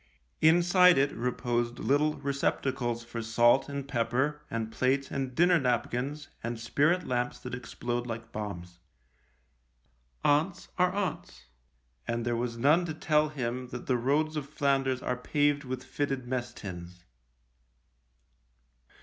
Inside it reposed little receptacles for salt and pepper and plates and dinner napkins and spirit lamps that explode like bombs. Aunts are aunts, and there was none to tell him that the roads of Flanders are paved with fitted mess tins.